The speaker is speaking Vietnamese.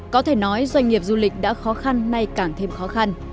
có thể nói doanh nghiệp du lịch đã khó khăn nay càng thêm khó khăn